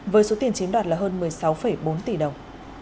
với số tiền chiếm đoạt là hơn một mươi sáu bốn tỷ đồng